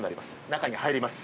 中に入ります。